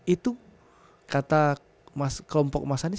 itu kata kelompok mas anies